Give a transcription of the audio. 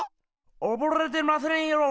おぼれてませんよ。